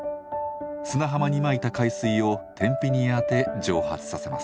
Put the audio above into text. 砂浜にまいた海水を天日に当て蒸発させます。